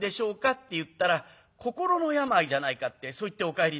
って言ったら『心の病じゃないか』ってそう言ってお帰りになる。